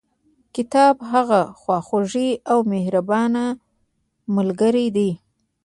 کتاب هغه خواخوږي او مهربانه ملګري دي.